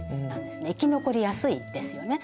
生き残りやすいですよね。